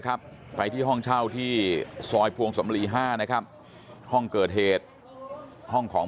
ครับไปที่ห้องเช่าที่ซอยพวงสำลี๕นะครับห้องเกิดเหตุห้องของ